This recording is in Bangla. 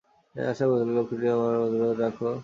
আশা কহিল, লক্ষ্মীটি, আমার অনুরোধ রাখো।